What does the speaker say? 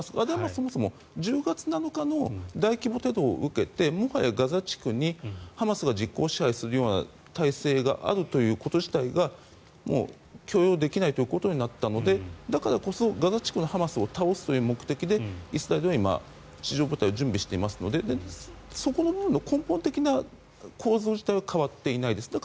そもそも１０月７日の大規模テロを受けてもはやガザ地区にハマスが実効支配するような体制があるということ自体がもう許容できないということになったのでだからこそガザ地区のハマスを倒すという目的でイスラエルは今地上部隊を準備していますのでそこの部分の根本的な構造自体は変わっていないです。